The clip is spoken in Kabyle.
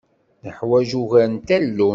Neḥwaǧ ugar n tallunt.